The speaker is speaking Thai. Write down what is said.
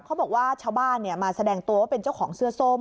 ชาวบ้านมาแสดงตัวว่าเป็นเจ้าของเสื้อส้ม